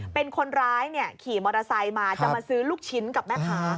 เป็นคนร้ายขี่มอเตอร์ไซค์มาจะมาซื้อลูกชิ้นกับแม่ค้า